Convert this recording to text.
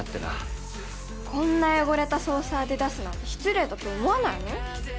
こんな汚れたソーサーで出すなんて失礼だと思わないの？